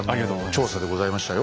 調査でございましたよ。